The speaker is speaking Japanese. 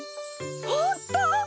ほんとう！？